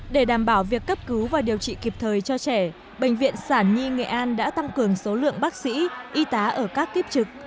để đảm bảo việc cấp cứu và điều trị kịp thời cho trẻ bệnh viện sản nhi nghệ an đã tăng cường số lượng bác sĩ y tá ở các kiếp trực